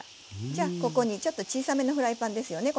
じゃあここにちょっと小さめのフライパンですよね